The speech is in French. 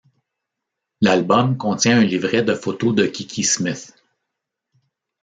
L'album contient un livret de photos de Kiki Smith.